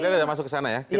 nah ini ada masuk kesana